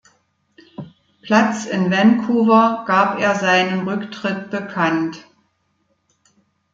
Platz in Vancouver gab er seinen Rücktritt bekannt.